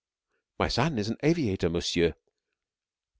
"My son is an aviator, monsieur.